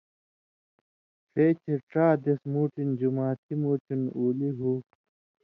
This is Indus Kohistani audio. ݜے چےۡ ڇا دېس مُوٹھن جُماتھی مُوٹھیُوں اُلی ہُو